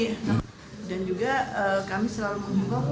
agar jika ada yang menggunakan masker maka kita bisa menggunakan masker